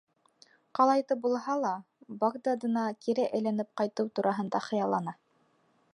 Ҡалайтып булһа ла Бағдадына кире әйләнеп ҡайтыу тураһында хыяллана.